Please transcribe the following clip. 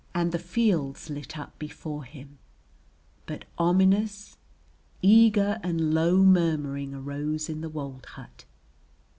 And the fields lit up before him, but, ominous, eager and low murmuring arose in the wold hut.